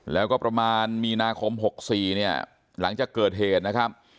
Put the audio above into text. แล้วก็ประมาณมีนาคม๖๔เนี่ยหลังจากเกิดเหตุนะครับ